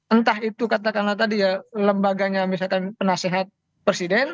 entah itu katakanlah tadi ya lembaganya misalkan penasehat presiden